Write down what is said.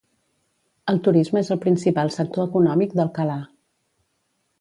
El turisme és el principal sector econòmic d'Alcalà.